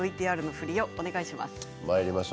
ＶＴＲ振りをお願いします